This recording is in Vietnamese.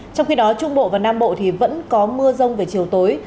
trong khi đó trung bộ và nam bộ thì vẫn có mưa rông về chiều tối